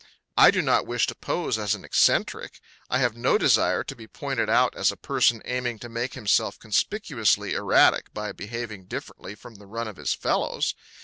I do not wish to pose as an eccentric. I have no desire to be pointed out as a person aiming to make himself conspicuously erratic by behaving differently from the run of his fellows.